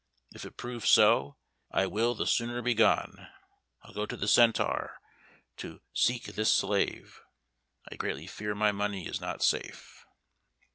If it prove so, I will the sooner be gone. I'll go to the Centaur to seek this slave. I greatly fear my money is not safe."